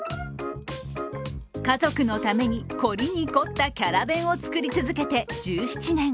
家族のために凝りに凝ったキャラ弁を作り続けて１７年。